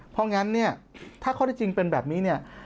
เพราะงั้นเนี่ยถ้าข้อที่จริงเป็นแบบนี้เนี่ย